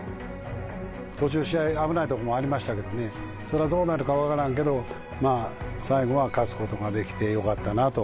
途中、試合危ないところもありましたけどね、それはどうなるか分からんけど、最後は勝つことができてよかったなと。